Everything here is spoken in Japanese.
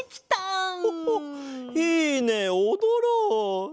ホホッいいねおどろう！